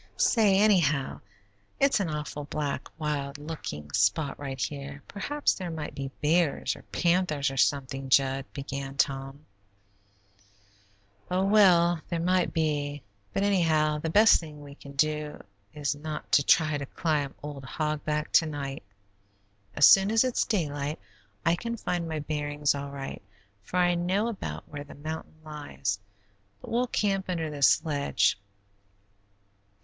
"Say, anyhow, it's an awful black, wild looking spot right here; perhaps there might be bears, or panthers, or something, Jud," began Tom. "Oh, well, there might be, but anyhow the best thing we can do is not to try to climb old Hog Back to night. As soon as it's daylight I can find my bearings all right, for I know about where the mountain lies, but we'll camp under this ledge.